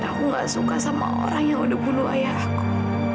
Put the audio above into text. dan aku gak suka sama orang yang udah bunuh ayahku